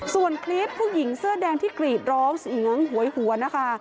ส่วนคลิปผู้หญิงเสื้อแดงที่กรีดร้องเสียงหวยหวนนะคะ